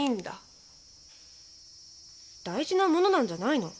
大事な物なんじゃないの？